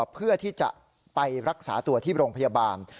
เพื่อที่จะไปรักษาตัวที่โรงพยาบาล